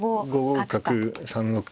５五角３六。